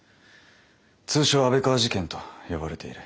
通称安倍川事件と呼ばれている。